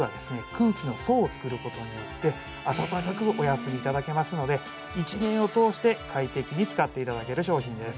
空気の層を作ることによって暖かくおやすみいただけますので１年を通して快適に使っていただける商品です